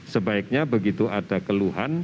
sebaiknya begitu ada keluhan